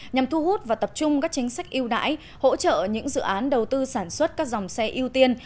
nhằm thu hút và tập trung các chính sách yêu đãi hỗ trợ những dự án đầu tư sản xuất các dòng xe ưu tiên